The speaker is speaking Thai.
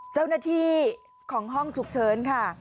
เจ้าหน้าที่ของห้องฉุกเฉินค่ะ